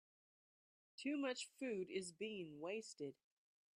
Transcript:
Too much food is being wasted.